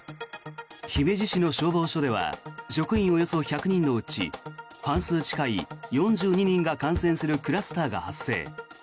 姫路市の消防署では職員およそ１００人のうち半数近い４２人が感染するクラスターが発生。